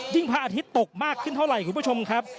พระอาทิตย์ตกมากขึ้นเท่าไหร่คุณผู้ชมครับ